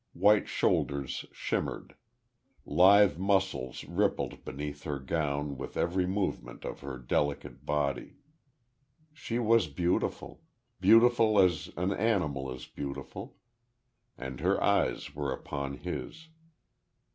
White shoulders shimmered. Lithe muscles rippled beneath her gown with every movement of her delicate body. She was beautiful beautiful as an animal is beautiful. And her eyes were upon his.